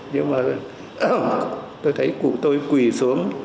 nhưng mà tôi thấy cụ tôi quỳ xuống